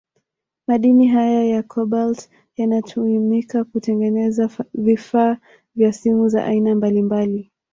Madini haya ya Kobalt yanatuimika kutengeneza vifaa vya simu za aina mbalimbali